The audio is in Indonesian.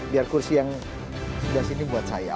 biar kursi yang sebelah sini buat saya